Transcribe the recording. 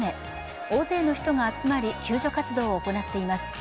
大勢の人が集まり救助活動を行っています。